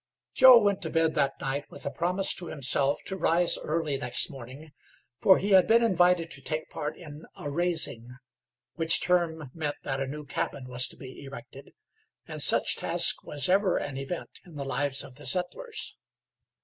Joe went to bed that night with a promise to himself to rise early next morning, for he had been invited to take part in a "raising," which term meant that a new cabin was to be erected, and such task was ever an event in the lives of the settlers.